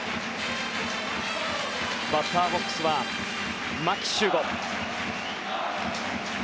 バッターボックスは牧秀悟。